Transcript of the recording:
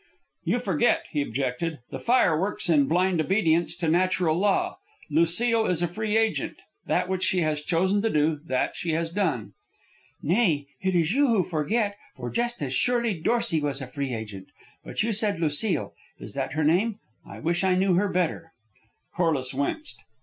"You forget," he objected. "The fire works in blind obedience to natural law. Lucile is a free agent. That which she has chosen to do, that she has done." "Nay, it is you who forget, for just as surely Dorsey was a free agent. But you said Lucile. Is that her name? I wish I knew her better." Corliss winced.